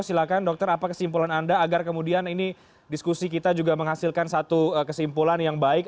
silahkan dokter apa kesimpulan anda agar kemudian ini diskusi kita juga menghasilkan satu kesimpulan yang baik